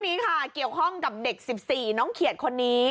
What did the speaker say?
นี้ค่ะเกี่ยวข้องกับเด็ก๑๔น้องเขียดคนนี้